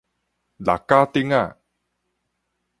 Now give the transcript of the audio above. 六甲頂